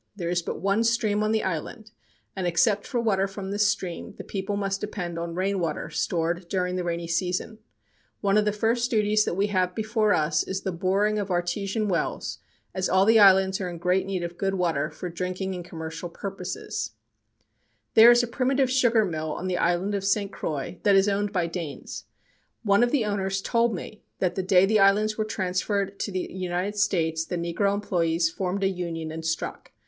There is but one stream on the island, and except for the water from this stream the people must depend on rain water stored during the rainy season. One of the first duties that we have before us is the boring of artesian wells, as all the islands are in great need of good water for drinking and commercial purposes. [Illustration: COVERED WALK Christiansted, St. Croix] There is a primitive sugar mill on the island of St. Croix that is owned by Danes. One of the owners told me that the day the islands were transferred to the United States the negro employees formed a union and struck.